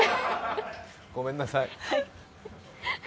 ごめんなさい。